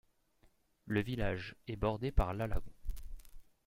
Le village est bordé par l'Alagón.